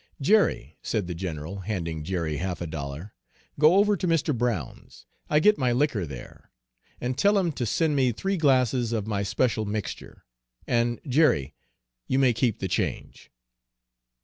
"Jerry," said the general, handing Jerry half a dollar, "go over to Mr. Brown's, I get my liquor there, and tell them to send me three glasses of my special mixture. And, Jerry, you may keep the change!"